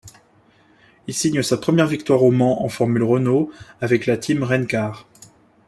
Il signe sa première victoire au Mans en Formule Renault avec le Team RenCar.